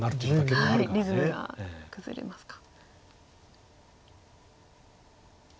リズムが崩れますか。